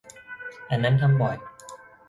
อันนั้นทำบ่อย.